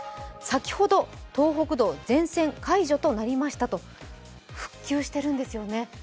先ほど東北道全線解除となりましたと、復旧しているんですよね。